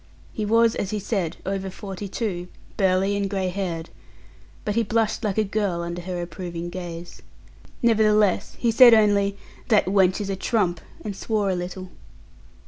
He was, as he said, over forty two, burly and grey haired, but he blushed like a girl under her approving gaze. Nevertheless, he said only, "That wench is a trump!" and swore a little.